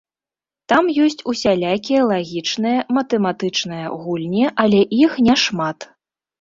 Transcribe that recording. Там ёсць усялякія лагічныя, матэматычныя гульні, але іх не шмат.